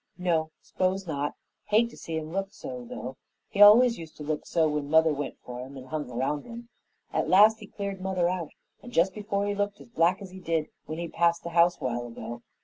"No, s'pose not. Hate to see 'im look so, though. He always used to look so when mother went for 'im and hung around 'im. At last he cleared mother out, and just before he looked as black as he did when he passed the house while ago.